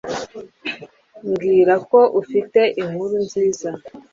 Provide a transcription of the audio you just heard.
mbwira ko ufite inkuru nziza